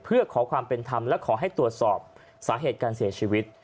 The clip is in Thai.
เพื่อขอความเป็นธรรมและขอให้ตรวจสอบสาเหตุการเสียชีวิต